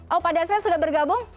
oh pak dasran sudah bergabung